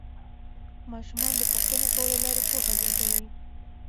ماشومان د پوښتنو کولو له لارې پوهه زیاتوي